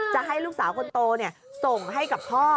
จะให้ลูกสาวคนโตส่งให้กับพ่อ